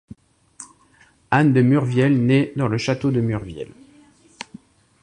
Anne de Murviel nait dans le château de Murviel.